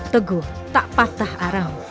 teguh tak patah aram